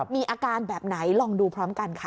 มีอาการแบบไหนลองดูพร้อมกันค่ะ